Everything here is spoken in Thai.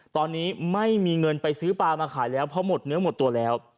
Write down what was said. ตอนนี้ไม่มีเงินไปซื้อปลามาขายแล้วเพราะหมดเนื้อหมดตัวแล้ว